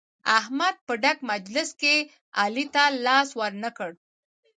احمد په ډک مجلس کې علي ته لاس ور نه کړ.